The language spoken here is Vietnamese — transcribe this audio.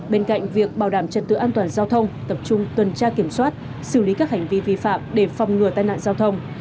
bên cạnh việc bảo đảm trật tự an toàn giao thông tập trung tuần tra kiểm soát xử lý các hành vi vi phạm để phòng ngừa tai nạn giao thông